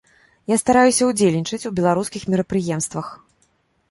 Я стараюся ўдзельнічаць у беларускіх мерапрыемствах.